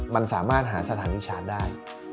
มันสามารถหาสถานที่ชาร์จได้